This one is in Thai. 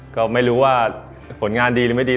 ก็ไม่รู้ว่าผลงานดีหรือไม่ดี